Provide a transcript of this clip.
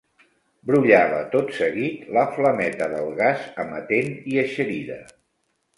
Brollava tot seguit la flameta del gas amatent i eixerida.